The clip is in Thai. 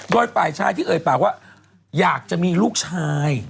โดยฝ่ายชายที่เอ่ยปากว่าอยากจะมีลูกชาย